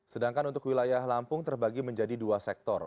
sedangkan untuk wilayah lampung terbagi menjadi dua sektor